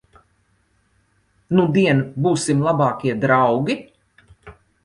Nudien būsim labākie draugi?